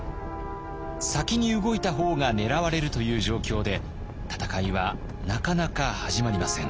先に動いた方が狙われるという状況で戦いはなかなか始まりません。